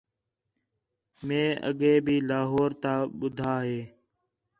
مئے اڳّے بھی لاہور تا ٻدھا ہِے